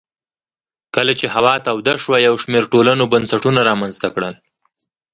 کله چې هوا توده شوه یو شمېر ټولنو بنسټونه رامنځته کړل